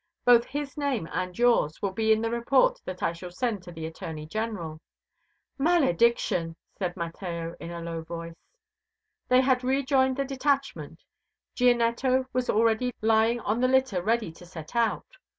Both his name and yours will be in the report that I shall send to the Attorney general." "Malediction!" said Mateo in a low voice. They had rejoined the detachment. Gianetto was already lying on the litter ready to set out.